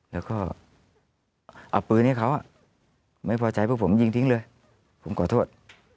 แล้วก็เอาปืนให้เขาไม่พอใจพวกผมยิงทิ้งเลยผมขอโทษ